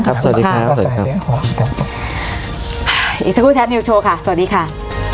ครับสวัสดีค่ะขอบคุณครับอีกสักครู่แท็บนิวโชว์ค่ะสวัสดีค่ะ